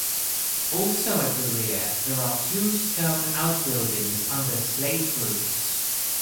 Also at the rear there are two stone outbuildings under slate roofs.